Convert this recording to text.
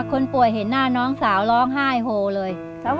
คนป่วยเห็นหน้าน้องสาวร้องไห้โหเลย